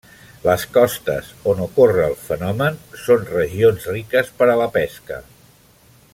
Les costes on ocorre el fenomen són regions riques per a la pesca.